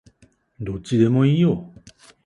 どっちでもいいよ